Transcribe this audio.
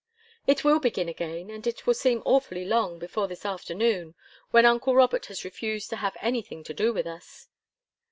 "It will begin again, and it will seem awfully long, before this afternoon when uncle Robert has refused to have anything to do with us."